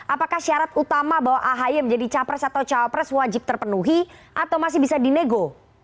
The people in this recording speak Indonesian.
apakah syarat utama bahwa ahy menjadi capres atau cawapres wajib terpenuhi atau masih bisa dinego